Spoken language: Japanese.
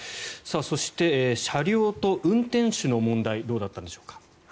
そして、車両と運転手の問題どうだったんでしょうか。